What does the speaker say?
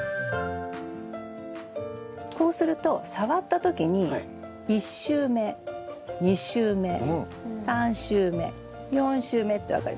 こうすると触った時に１週目２週目３週目４週目って分かります。